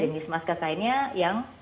jenis masker lainnya yang